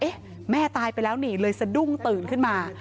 แม่ตายไปแล้วนี่เลยสะดุ้งตื่นขึ้นมา